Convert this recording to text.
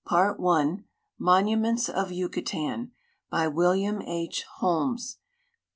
Part I : l\Ionu ments of Yucatan. By William H. Holmes. Pp.